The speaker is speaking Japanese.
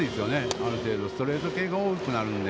ある程度ストレート系が多くなるので。